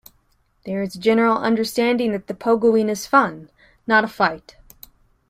There is a general understanding that the pogoing is fun, not a fight.